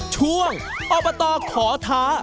ช่วงอบตขอท้า